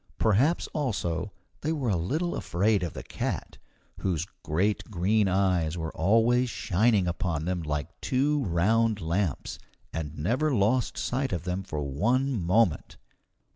Perhaps also they were a little afraid of the cat, whose great green eyes were always shining upon them like two round lamps, and never lost sight of them for one moment.